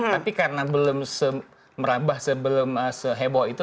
tapi karena belum merabah sebelum seheboh itu